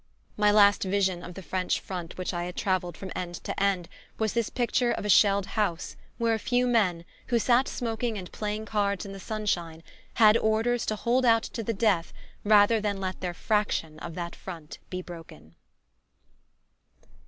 My last vision of the French front which I had traveled from end to end was this picture of a shelled house where a few men, who sat smoking and playing cards in the sunshine, had orders to hold out to the death rather than let their fraction of that front be broken.